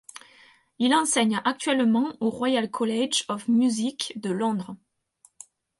Il enseigne actuellement au Royal College of Music de Londres.